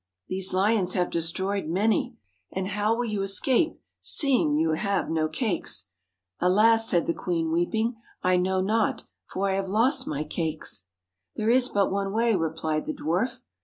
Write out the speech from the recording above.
These lions have destroyed many; and how will you escape, seeing you have no cakes ?'' Alas,' said the queen, weeping, ' I know not ; for I have lost my cakes.' ' There is but one way,' replied the dwarf.